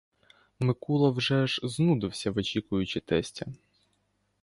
Микула вже аж знудився, вичікуючи тестя.